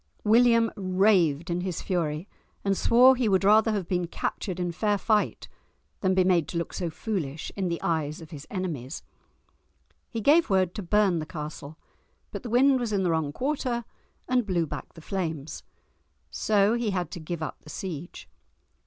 William raved in his fury, and swore he would rather have been captured in fair fight than be made to look so foolish in the eyes of his enemies. He gave word to burn the castle, but the wind was in the wrong quarter and blew back the flames. So he had to give up the siege.